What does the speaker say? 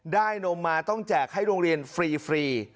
นมมาต้องแจกให้โรงเรียนฟรี